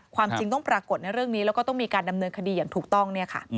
ความจริงต้องปรากฏในเรื่องนี้แล้วก็ต้องมีการดำเนินคดีอย่างถูกต้อง